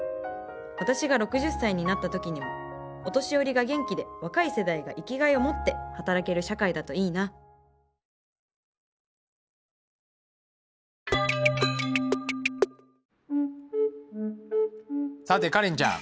私が６０歳になった時にもお年寄りが元気で若い世代が生きがいをもって働ける社会だといいなさてカレンちゃん。